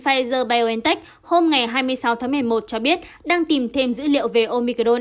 vaccine pfizer biontech hôm hai mươi sáu một mươi một cho biết đang tìm thêm dữ liệu về omicron